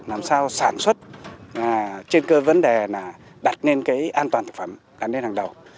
làm sao sản xuất trên cơ vấn đề là đặt lên cái an toàn thực phẩm đặt lên hàng đầu